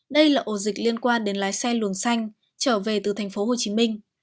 đây là ổ dịch liên quan đến lái xe luồng xanh trở về từ tp hcm